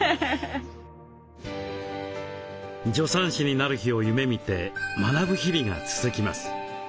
助産師になる日を夢みて学ぶ日々が続きます。